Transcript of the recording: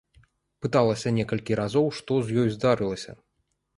Пыталася некалькі разоў, што з ёй здарылася.